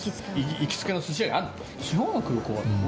行きつけの寿司屋がある。